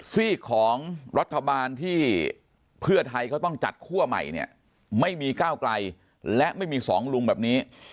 ซีกของรัฐบาลที่เพื่อไทยเขาต้องจัดคั่วใหม่เนี่ยไม่มีก้าวไกลและไม่มีสองลุงแบบนี้